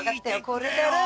これだろ。